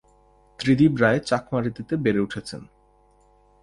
ত্রিদিব রায় চাকমা রীতিতে বেড়ে উঠেছেন।